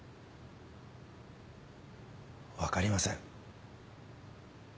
分かりません。